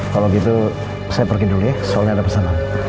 kalau gitu saya pergi dulu soalnya ada pesanan